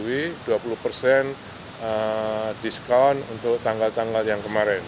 setelah setelah disetujui yang dua puluh diskon untuk tanggal tanggal yang kemarin